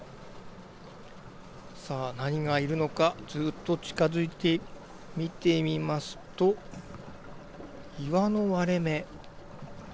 さあ、何がいるのかずっと近づいてみてみますと岩の割れ目。